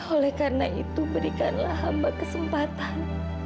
oleh karena itu berikanlah hamba kesempatan